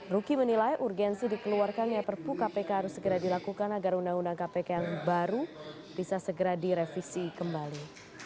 ruki menilai urgensi dikeluarkannya perpu kpk harus segera dilakukan agar undang undang kpk yang baru bisa segera direvisi kembali